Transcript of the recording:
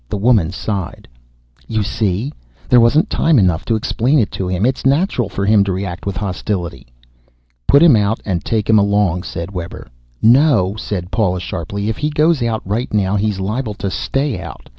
The woman sighed, "You see? There wasn't time enough to explain it to him. It's natural for him to react with hostility." "Put him out, and take him along," said Webber. "No," said Paula sharply. "If he goes out right now he's liable to stay out.